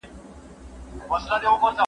د دوبي رخصتۍ له لوبو ډکې وې.